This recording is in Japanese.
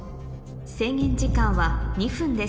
制限時間は２分です